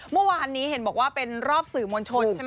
เมื่อวานนี้เห็นบอกว่าเป็นรอบสื่อมวลชนใช่ไหม